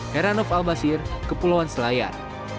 heranov albasir kepulauan selayar